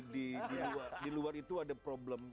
di luar itu ada problem